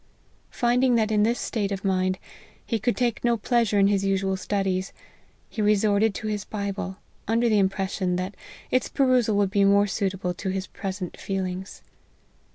Finding that in this state of mind, he could take no pleasure in his usual studies, he resorted to his Bible, under the impression that its perusal would be more suitable to his present feelings.